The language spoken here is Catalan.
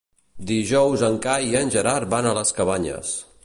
Dijous en Cai i en Gerard van a les Cabanyes.